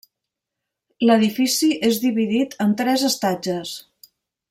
L'edifici és dividit en tres estatges.